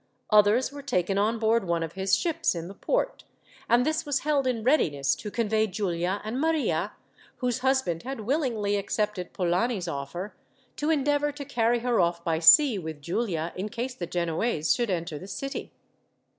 Others were taken on board one of his ships in the port, and this was held in readiness to convey Giulia and Maria, whose husband had willingly accepted Polani's offer, to endeavour to carry her off by sea with Giulia, in case the Genoese should enter the city.